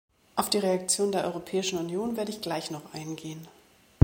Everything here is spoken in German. Auf die Reaktion der Europäischen Union werde ich gleich noch eingehen.